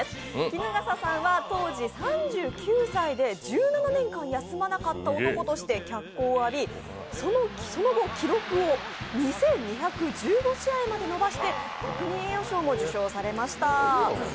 衣笠さんは当時３９歳で１７年間休まなかった男として脚光を浴びその後、記録を２２１５試合まで伸ばして国民栄誉賞も受賞されました。